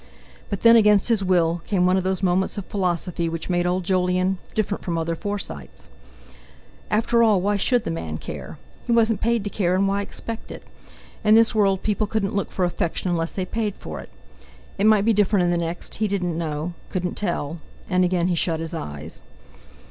But then against his will, came one of those moments of philosophy which made old Jolyon different from other Forsytes: After all why should the man care? He wasn't paid to care, and why expect it? In this world people couldn't look for affection unless they paid for it. It might be different in the next—he didn't know—couldn't tell! And again he shut his eyes.